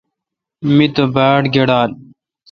می تو باڑ کیڈال۔